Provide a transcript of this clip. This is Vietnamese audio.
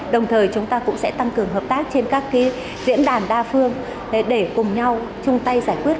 đồng thời chúng ta cũng sẽ tăng cường hợp tác trên các diễn đàn đa phương để cùng nhau chung tay giải quyết